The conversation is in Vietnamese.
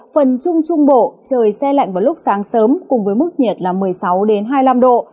phần trung trung bộ trời xe lạnh vào lúc sáng sớm cùng với mức nhiệt là một mươi sáu hai mươi năm độ